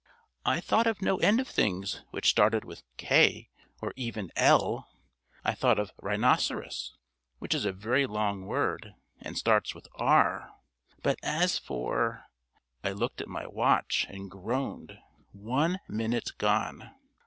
I thought of no end of things which started with K, or even L; I thought of "rhinoceros" which is a very long word and starts with R; but as for I looked at my watch and groaned. One minute gone.